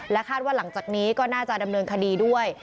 คาดว่าหลังจากนี้ก็น่าจะดำเนินคดีด้วย